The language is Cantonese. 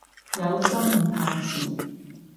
有心唔怕遲